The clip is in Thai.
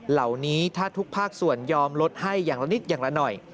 เหล่านี้ถ้าทุกภาคส่วนยอมลดให้อย่างละนิดอย่างละหน่อย